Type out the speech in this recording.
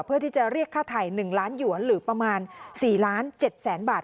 เพื่อที่จะเรียกค่าถ่าย๑ล้านหยวนหรือประมาณ๔ล้าน๗แสนบาท